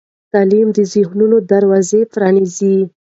تعلیم د ذهنونو دروازې پرانیزي.